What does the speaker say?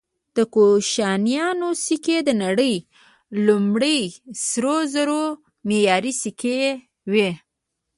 د کوشانیانو سکې د نړۍ لومړني سرو زرو معیاري سکې وې